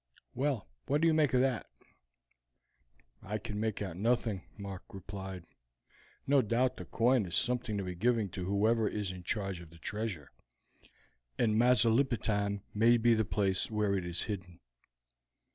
Well, what do you make out of that?" "I can make out nothing," Mark replied. "No doubt the coin is something to be given to whoever is in charge of the treasure, and Masulipatam may be the place where it is hidden."